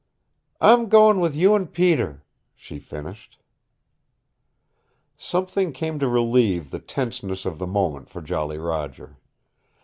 "I'm goin' with you and Peter," she finished. Something came to relieve the tenseness of the moment for Jolly Roger.